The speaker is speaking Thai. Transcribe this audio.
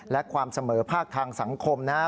และความเสมอภาคทางสังคมนะครับ